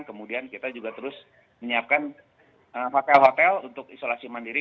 kemudian kita juga terus menyiapkan hotel hotel untuk isolasi mandiri